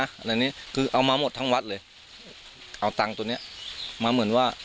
อะไรนี้คือเอามาหมดทั้งวัดเลยเอาตังค์ตัวเนี้ยมาเหมือนว่า